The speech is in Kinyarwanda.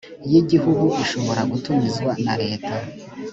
y igihugu ishobora gutumizwa na leta